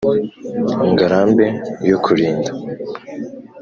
Ngarambe yo kurinda